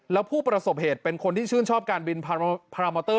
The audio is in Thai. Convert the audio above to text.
แล้วผู้ประสบเหตุเป็นคนที่ชื่นชอบการบินพารามอเตอร์